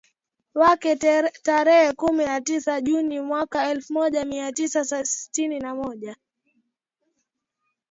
wake tarehe kumi na tisa Juni mwaka elfu moja Mia Tisa sitini na moja